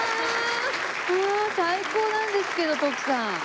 最高なんですけど徳さん。